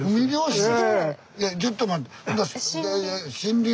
いやちょっと待って。